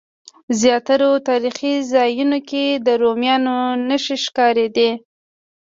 زیاترو تاریخي ځایونو کې د رومیانو نښې ښکارېدې.